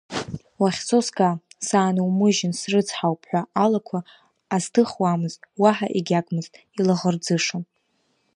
Уахьцо сга, саанумыжьын срыцҳауп ҳәа алақәа азҭыхуамызт уаҳа егьагмызт, илаӷырӡышон.